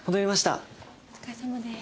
お疲れさまです。